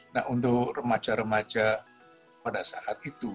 nah untuk remaja remaja pada saat itu